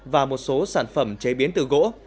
và một số sản phẩm chế biến từ gỗ